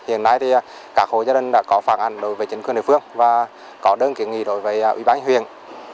hiện nay các hồ gia đình đã có phản ảnh đối với chính quyền địa phương